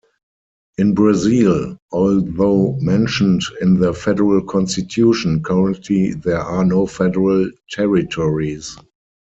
In Brazil, although mentioned in the Federal Constitution, currently there are no federal territories.